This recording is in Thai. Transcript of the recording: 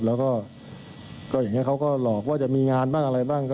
แล้วก็อย่างนี้เขาก็หลอกว่าจะมีงานบ้างอะไรบ้าง